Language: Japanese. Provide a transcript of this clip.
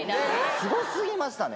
すごすぎましたね。